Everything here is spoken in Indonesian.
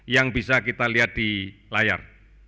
yang bisa kita lihat di layar